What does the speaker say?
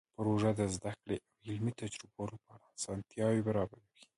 پروژه د زده کړې او علمي تجربو لپاره اسانتیاوې برابروي.